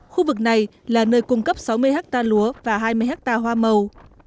khu vực này là nơi cung cấp sáu mươi ha lúa và hai mươi ha hoa màu